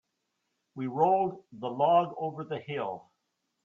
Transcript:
We rolled the log over the hill.